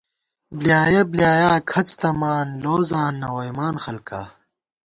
بۡلیایَہ بۡلیایا کھڅ تمان، لوزاں نہ ووئیمان خلکا